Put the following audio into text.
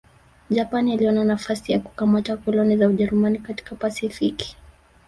Japani iliona nafasi ya kukamata koloni za Ujerumani katika Pasifiki